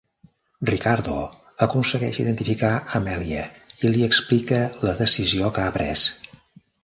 Riccardo aconsegueix identificar Amelia i li explica la decisió que ha pres.